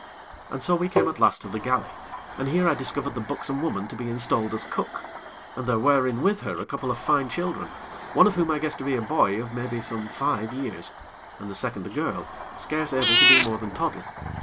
And so we came at last to the galley, and here I discovered the buxom woman to be installed as cook, and there were in with her a couple of fine children, one of whom I guessed to be a boy of maybe some five years, and the second a girl, scarce able to do more than toddle.